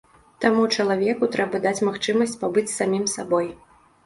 Таму чалавеку трэба даць магчымасць пабыць з самім сабой.